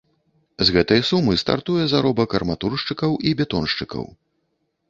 З гэтай сумы стартуе заробак арматуршчыкаў і бетоншчыкаў.